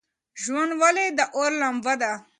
ژوند ولې د اور لمبه ده؟